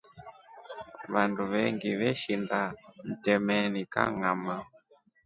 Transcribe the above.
Vandu vengi veshinda mtemeni kangʼama.